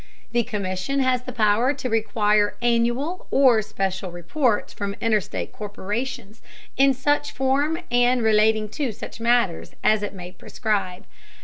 The Commission has the power to require annual or special reports from interstate corporations in such form and relating to such matters as it may prescribe.